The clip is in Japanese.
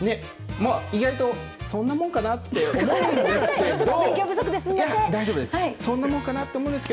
意外とそんなもんかなって思うんですけど。